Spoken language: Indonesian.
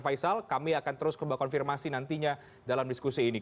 faisal kami akan terus kembali konfirmasi nantinya dalam diskusi ini